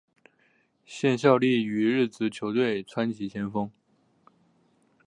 现效力于日职球队川崎前锋。